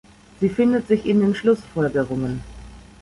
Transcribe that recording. Sie findet sich in den Schlussfolgerungen.